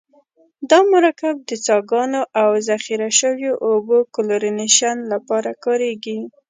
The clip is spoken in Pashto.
دا مرکب د څاګانو او ذخیره شویو اوبو کلورینیشن لپاره کاریږي.